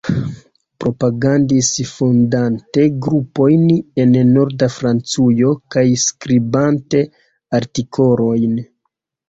Propagandis fondante grupojn en Norda Francujo kaj skribante artikolojn.